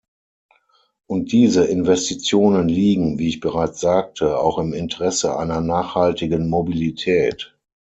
Und diese Investitionen liegen, wie ich bereits sagte, auch im Interesse einer nachhaltigen Mobilität.